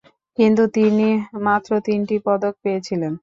কিন্তু তিনি মাত্র তিনটি পদক পেয়েছিলেন।